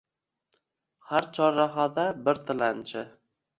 Har chorrahada bir tilanchi